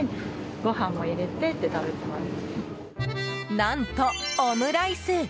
何と、オムライス。